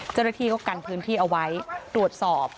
เจ้าหน้าที่ก็กันพื้นที่เอาไว้ตรวจสอบ